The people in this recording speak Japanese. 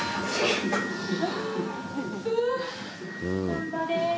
頑張れ！